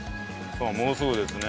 さあもうすぐですね。